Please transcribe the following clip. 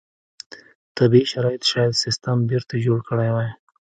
طبیعي شرایط شاید سیستم بېرته جوړ کړی وای.